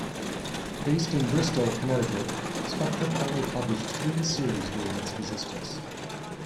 Based in Bristol, Connecticut, Spectrum only published three series during its existence.